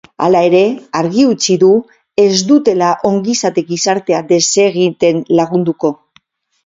Hala ere, argi utzi du ez dutela ongizate gizartea desegiten lagunduko.